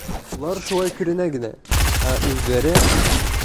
— Улар шулай күренә генә, ә үҙҙәре...